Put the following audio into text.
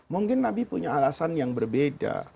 mungkin nabi punya alasan yang berbeda